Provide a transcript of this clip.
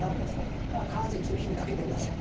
だから必ず一度火にかけてください。